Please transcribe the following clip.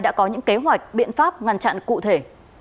đã có những kế hoạch biện pháp ngăn chặn cụ thể